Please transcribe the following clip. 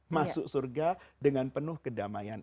masuk surga dengan penuh kedamaian